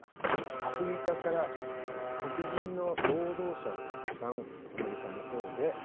アフリカから黒人の労働者をたくさんアメリカのほうで入れました。